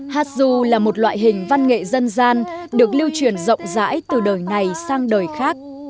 hát du là một loại hình văn nghệ dân gian được lưu truyền rộng rãi từ đời này sang đời khác